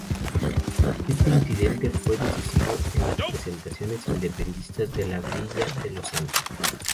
Este incidente fue decisivo en las pretensiones independentistas de la Villa de Los Santos.